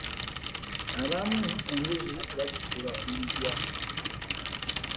Abamu embuzi bazisiba ku mugguwa.